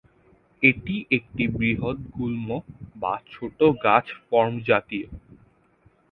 এটি একটি বৃহৎ গুল্ম বা ছোট গাছ ফর্ম জাতীয়।